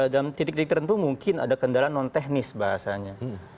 dalam titik titik tertentu mungkin ada kendala non teknis bahasanya